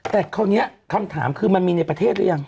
แต่คราวนี้คำถามคือมันมีในประเทศหรือยัง